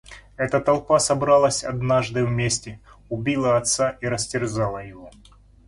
Эта толпа собралась однажды вместе, убила отца и растерзала его.